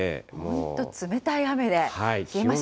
本当、冷たい雨で冷えました。